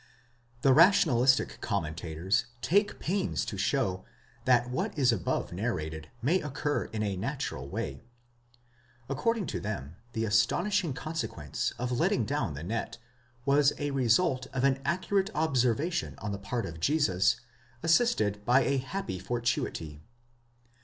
The rationalistic commentators take pains to show that what is above nar rated might occur in a natural way. According to them, the astonishing consequence of letting down the net was the result of an accurate observation on the part of Jesus, assisted by a happy fortuity.